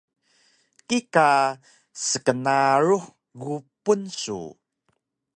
kika sknarux gupun su